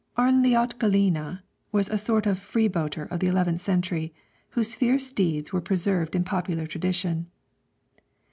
Arnljot Gelline was a sort of freebooter of the eleventh century, whose fierce deeds were preserved in popular tradition.